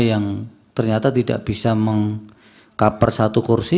yang ternyata tidak bisa mengkaper satu kursi